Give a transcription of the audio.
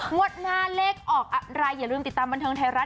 งวดหน้าเลขออกอะไรอย่าลืมติดตามบันเทิงไทยรัฐ